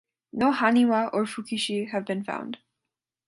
No "haniwa" or "fukiishi" have been found.